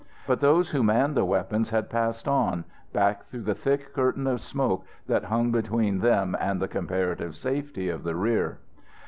But those who manned the weapons had passed on, back through the thick curtain of smoke that hung between them and the comparative safety of the rear.